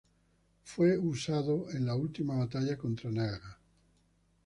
Fue usado en la última batalla contra Naga.